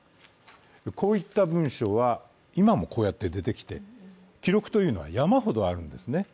こういった文書は今もこうやって出てきて、記録というのは山ほどあるんですね。